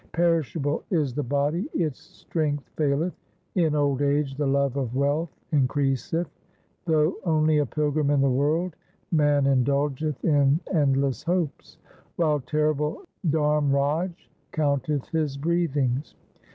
Perishable is the body, its strength faileth ; In old age the love of wealth increaseth. Though only a pilgrim in the world, man indulgeih in endless hopes While terrible Dharmraj counteth his breathings.